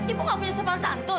ibu gak punya sopan santun